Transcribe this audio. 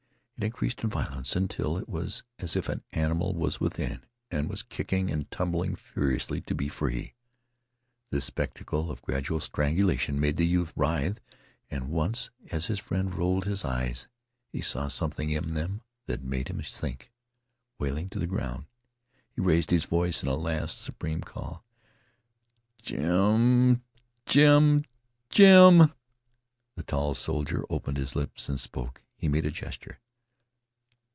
It increased in violence until it was as if an animal was within and was kicking and tumbling furiously to be free. This spectacle of gradual strangulation made the youth writhe, and once as his friend rolled his eyes, he saw something in them that made him sink wailing to the ground. He raised his voice in a last supreme call. "Jim Jim Jim " The tall soldier opened his lips and spoke. He made a gesture.